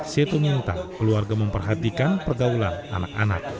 seto minta keluarga memperhatikan pergaulan anak anak